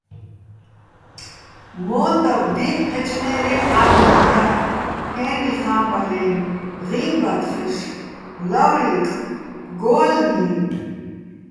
მო́ნდავ დი́ნ ჴეჩნა́ჲრეჼ ა́დმეჼ და, ფე́ნიხ ჰა́მბალაჲნი̆, ღიმბათხეშ, ლავრიკ, გო́ლლიჼ.